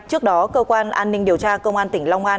trước đó cơ quan an ninh điều tra công an tỉnh long an